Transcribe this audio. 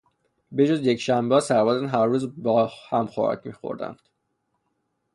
به جز یکشنبهها سربازان هر روز با هم خوراک میخوردند.